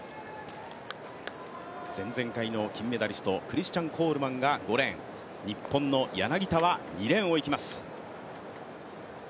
前々回の金メダリストクリスチャン・コールマンが５レーン、日本の柳田は２レーンをいきます。